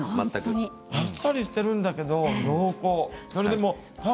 あっさりしているんだけれど濃厚。